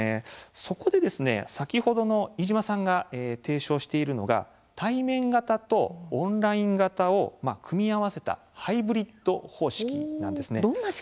そこで先ほどの飯島さんが提唱しているのが対面型とオンライン型を組み合わせたハイブリッド方式です。